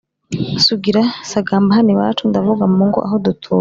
Sugira sagamba hano iwacu Ndavuga mu ngo aho dutuye,